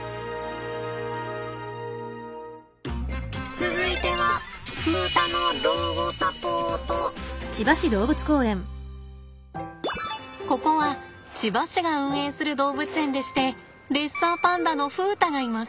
続いてはここは千葉市が運営する動物園でしてレッサーパンダの風太がいます。